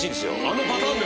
あのパターン。